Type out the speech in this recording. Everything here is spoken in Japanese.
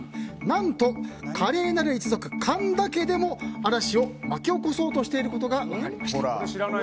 何と華麗なる一族・神田家でも嵐を巻き起こそうとしていることが分かりました。